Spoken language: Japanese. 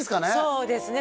そうですね